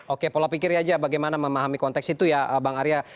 oke pola pikir aja bagaimana memahami konteks itu ya bang arya